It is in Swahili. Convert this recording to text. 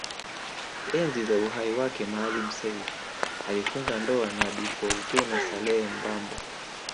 Enzi za uhai wake Maalim Self alifunga ndoa na Bi Fourtuna Saleh Mbamba